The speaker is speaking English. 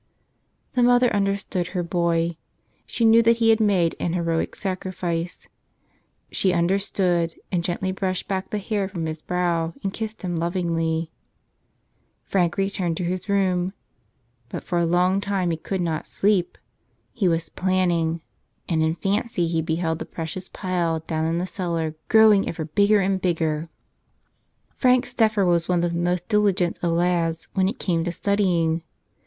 The mother understood her boy. She knew that he had made an heroic sacrifice. She understood, and gently brushed back the hair from his brow and kissed him lovingly. Frank returned to his room. But for a long time he could not sleep. He was planning; and in fancy he beheld the precious pile down in the cellar growing ever bigger and bigger. Frank Steffer was one of the most diligent of lads when it came to studying.